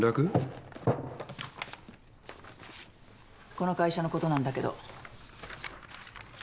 この会社のことなんだけど。